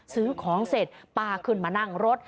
ซื้อของเสร็จป้าขึ้นมานั่งรถ